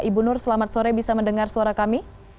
ibu nur selamat sore bisa mendengar suara kami